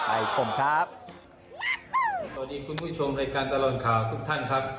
ขอบคุณครับสวัสดีคุณผู้ชมรายการตลอดข่าวทุกท่านครับ